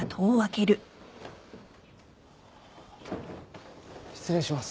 失礼します。